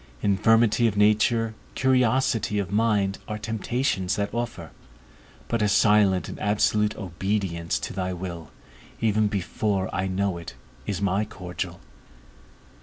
Infirmity of nature, curiosity of mind, are temptations that offer; but a silent and absolute obedience to thy will, even before I know it, is my cordial.